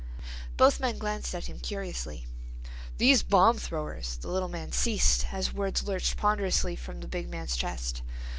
Both men glanced at him curiously. "These bomb throwers—" The little man ceased as words lurched ponderously from the big man's chest.